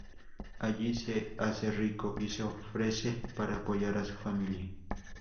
Allí se hace rico y se ofrece para apoyar a su familia.